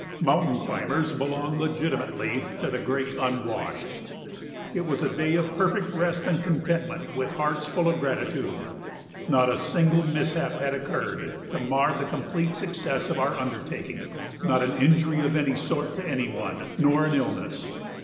Mountain climbers belong legitimately to the great unwashed. It was a day of perfect rest and contentment with hearts full of gratitude. Not a single mishap had occurred to mar the complete success of our undertaking not an injury of any sort to any one, nor an illness.